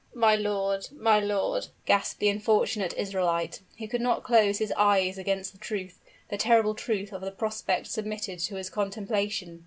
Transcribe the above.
"My lord my lord," gasped the unfortunate Israelite, who could not close his eyes against the truth, the terrible truth of the prospect submitted to his contemplation.